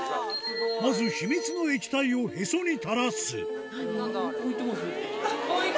まず秘密の液体をへそに垂らすあっ！